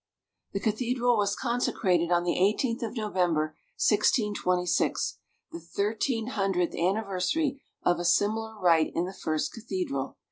The cathedral was consecrated on the 18th of November, 1626, the thirteen hundredth anniversary of a similar rite in the first cathedral.